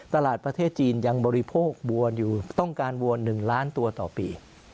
ตลาดประเทศจีนยังบริโภคบัวอยู่ต้องการวัว๑ล้านตัวต่อปี